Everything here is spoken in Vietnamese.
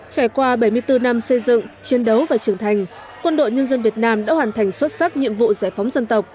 trải qua bảy mươi bốn năm xây dựng chiến đấu và trưởng thành quân đội nhân dân việt nam đã hoàn thành xuất sắc nhiệm vụ giải phóng dân tộc